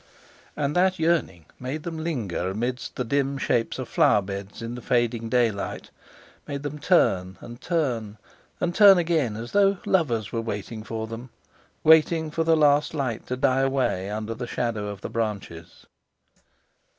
And that yearning made them linger amidst the dim shapes of flower beds in the failing daylight, made them turn, and turn, and turn again, as though lovers were waiting for them—waiting for the last light to die away under the shadow of the branches.